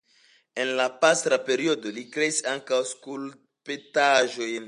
En la pastra periodo li kreis ankaŭ skulptaĵojn.